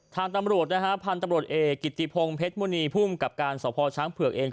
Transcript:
ทางตำรวจนะฮะพันธุ์ตำรวจเอกกิติพงศ์เพชรมุณีภูมิกับการสพช้างเผือกเอง